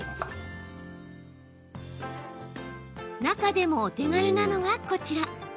中でもお手軽なのが、こちら。